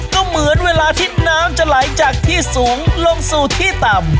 ก็เหมือนเวลาที่น้ำจะไหลจากที่สูงลงสู่ที่ต่ำ